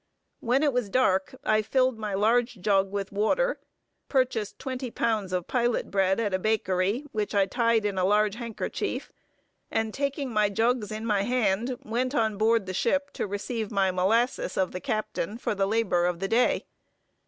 When it was dark I filled my large jug with water; purchased twenty pounds of pilot bread at a bakery, which I tied in a large handkerchief; and taking my jugs in my hand, went on board the ship to receive my molasses of the captain, for the labor of the day.